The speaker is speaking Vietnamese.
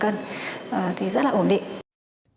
thì rất là ổn định